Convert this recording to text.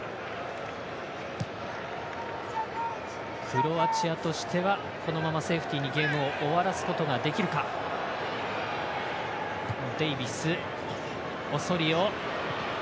クロアチアとしてはこのままセーフティーにゲームを終わらすことができるかどうか。